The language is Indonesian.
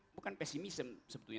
bukan pesimism sebetulnya